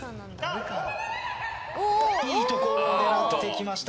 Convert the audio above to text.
いいところを狙ってきました。